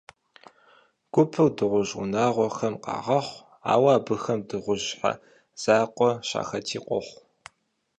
Гупыр дыгъужь унагъуэхэм къагъэхъу, ауэ абыхэм дыгъужь щхьэ закъуэ щахэти къохъу.